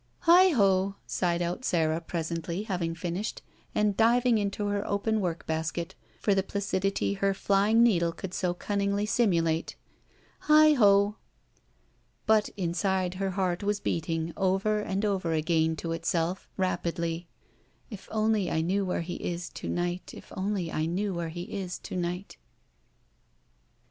"Heigh ho!" sighed out Sara, presently, having finished, and diving into her open workbasket for the placidity her fljring needle could so cimningly simulate. "Heigh ho!" But inside her heart was beating over and over again to itself, rapidly: "If only 1 knew where he is to night if only 1 knew where he is to night.